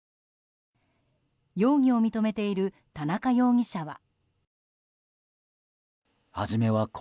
容疑を認めている田中容疑者は。